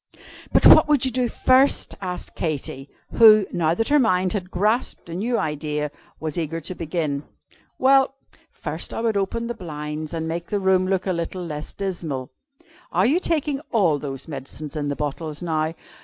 "But what would you do first?" asked Katy; who, now that her mind had grasped a new idea, was eager to begin. "Well first I would open the blinds, and make the room look a little less dismal. Are you taking all those medicines in the bottles now?"